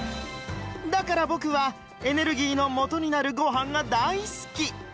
だからボクはエネルギーのもとになるごはんが大好き！